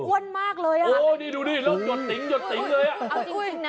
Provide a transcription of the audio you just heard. อ้วนมากเลยอ่ะโอ้ยดูนี่เราหยดติ๋งเลยอ่ะ